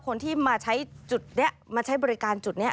คนที่มาใช้บริการจุดนี้